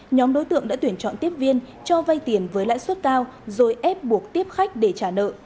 nhóm đối tượng đã tuyển chọn tiếp viên cho vay tiền với lãi suất cao rồi ép buộc tiếp khách để trả nợ